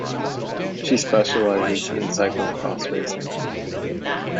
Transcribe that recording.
She specializes in cyclo-cross racing.